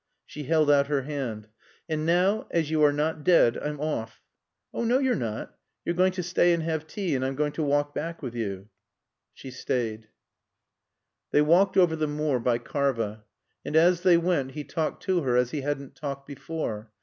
She held out her hand. "And now as you're not dead I'm off." "Oh no, you're not. You're going to stay and have tea and I'm going to walk back with you." She stayed. They walked over the moor by Karva. And as they went he talked to her as he hadn't talked before.